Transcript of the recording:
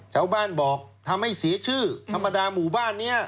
ชาวบ้านบอกทำให้เสียชื่อธรรมดาหมู่บ้านนี้